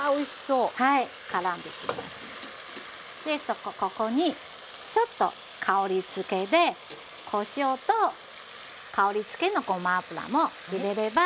でここにちょっと香りづけでこしょうと香りづけのごま油も入れれば完成です。